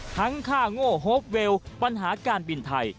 ค่าโง่โฮปเวลปัญหาการบินไทย